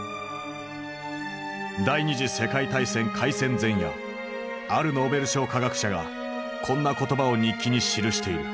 第二次世界大戦開戦前夜あるノーベル賞科学者がこんな言葉を日記に記している。